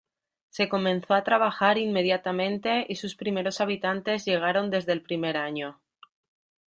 Se comenzó a trabajar inmediatamente y sus primeros habitantes llegaron desde el primer año.